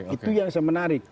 itu yang saya menarik